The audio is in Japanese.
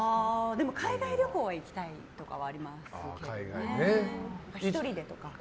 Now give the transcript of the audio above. でも、海外旅行は行きたいとかはありますけどね。